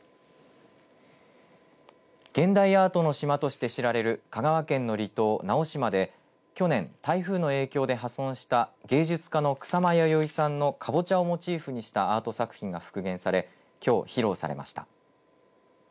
現代アートの島として知られる香川県の離島直島で去年、台風の影響で破損した芸術家の草間彌生さんのかぼちゃをモチーフにしたアート作品が復元されきょう披露されました。